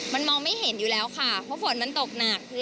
มันมองไม่เห็นอยู่แล้วค่ะเพราะฝนมันตกหนัก